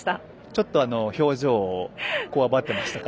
ちょっと表情がこわばってましたか？